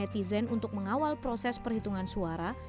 yang memiliki sayang netizen untuk mengawal proses perhitungan suara